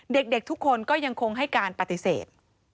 เด็กทุกคนก็ยังคงให้การปฏิเสธ